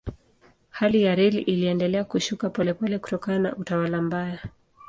Hali ya reli iliendelea kushuka polepole kutokana na utawala mbaya.